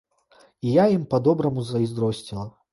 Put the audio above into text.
І я ім па-добраму зайздросціла.